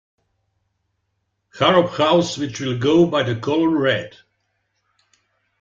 Harrop house which will go by the colour red.